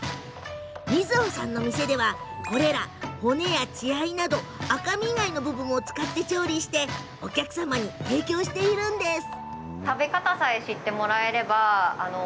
みづほさんの店では骨や血合いなど赤身以外の部分を使って調理しお客さまに提供しています。